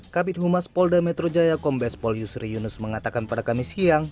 kabit humas polda metro jaya kombes pol yusri yunus mengatakan pada kamis siang